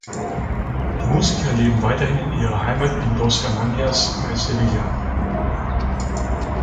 Die Musiker leben weiterhin in ihrer Heimat in Dos Hermanas bei Sevilla.